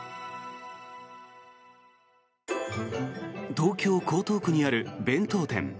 東京・江東区にある弁当店。